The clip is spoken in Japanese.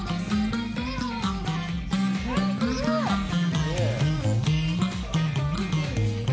すげえ！